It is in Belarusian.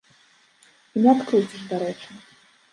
І не адкруціш, дарэчы.